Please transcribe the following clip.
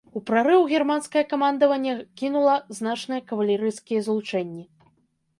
У прарыў германскае камандаванне кінула значныя кавалерыйскія злучэнні.